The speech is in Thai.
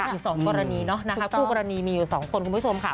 อยู่สองกรณีเนอะนะคะคู่กรณีมีอยู่สองคนคุณผู้ชมค่ะ